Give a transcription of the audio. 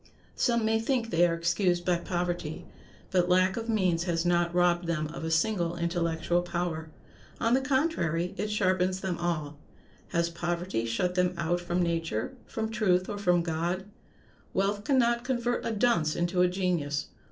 Some may think they are excused by poverty; but lack of means has not robbed them of a single intellectual power. On the contrary, it sharpens them all. Has poverty shut them out from nature, from truth, or from God? Wealth can not convert a dunce into a genius.